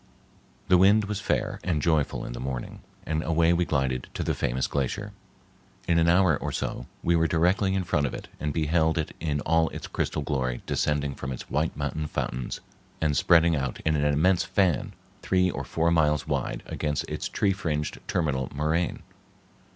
The wind was fair and joyful in the morning, and away we glided to the famous glacier. In an hour or so we were directly in front of it and beheld it in all its crystal glory descending from its white mountain fountains and spreading out in an immense fan three or four miles wide against its tree fringed terminal moraine.